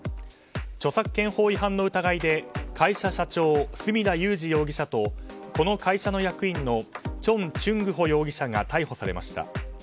著作権法違反の疑いで会社社長、角田勇次容疑者とこの会社の役員のチョン・ユングホ容疑者が逮捕されました。